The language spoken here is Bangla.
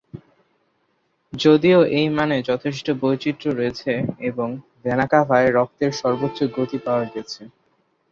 যদিও এই মানে যথেষ্ট বৈচিত্র রয়েছে এবং ভ্যানাকাভায় রক্তের সর্বোচ্চ গতি পাওয়া গেছে।